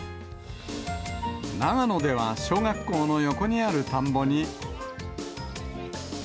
長野では小学校の横にある田んぼに。